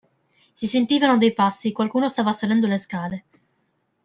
Si sentivano dei passi, qualcuno stava salendo le scale.